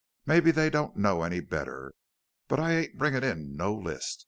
Mebbe they don't know any better. But I ain't bringin' in no list.